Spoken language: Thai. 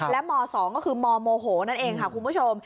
และม๒ก็คือมโมโหนั่นเองค่ะคุณผู้ชม